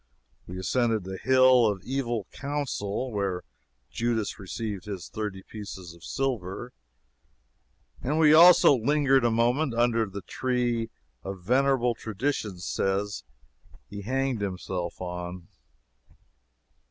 We ascended the Hill of Evil Counsel, where Judas received his thirty pieces of silver, and we also lingered a moment under the tree a venerable tradition says he hanged himself on.